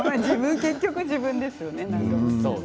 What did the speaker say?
結局、自分ですよね。